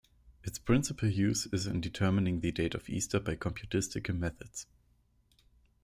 Its principal use is in determining the date of Easter by computistical methods.